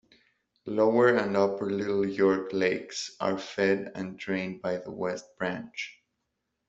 Lower and Upper Little York Lakes are fed and drained by the West Branch.